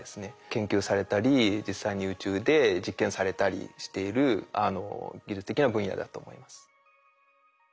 研究されたり実際に宇宙で実験されたりしている技術的な分野だと思います。